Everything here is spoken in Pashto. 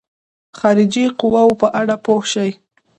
خارجي قواوو په اړه پوه شي.